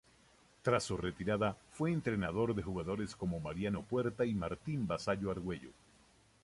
Tras su retirada fue entrenador de jugadores como Mariano Puerta y Martín Vassallo Argüello.